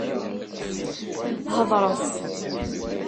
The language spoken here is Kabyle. Heḍṛet!